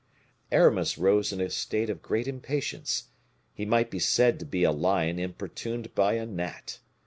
Aramis rose in a state of great impatience. He might be said to be a lion importuned by a gnat.